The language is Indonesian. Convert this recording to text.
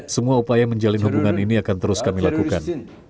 semua upaya menjalin hubungan ini akan terus kami lakukan